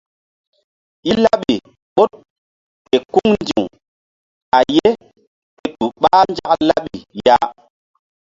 I laɓi ɓoɗ ke kuŋ ndi̧w a ye ke tu ɓah nzak laɓi ya.